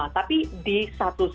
tapi di satu sisi